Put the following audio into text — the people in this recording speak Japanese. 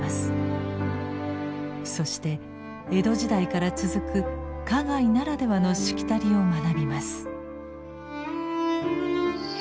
そして江戸時代から続く花街ならではのしきたりを学びます。